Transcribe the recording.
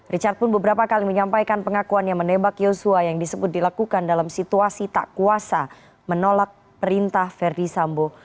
richard pun beberapa kali menyampaikan pengakuan yang menembak yosua yang disebut dilakukan dalam situasi tak kuasa menolak perintah verdi sambo